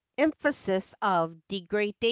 Emphasis of degradation!